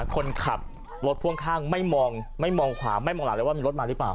คนขับรถพ่วงข้างไม่มองไม่มองขวาไม่มองหลังเลยว่ามีรถมาหรือเปล่า